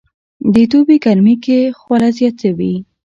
د دوبي ګرمي کې خوله زياته وي